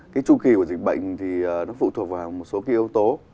cái tru kỳ của dịch bệnh thì nó phụ thuộc vào một số kỳ yếu tố